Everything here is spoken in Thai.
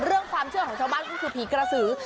ความเชื่อของชาวบ้านก็คือผีกระสือ